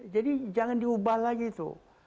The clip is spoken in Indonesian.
jadi jangan diubah lagi itu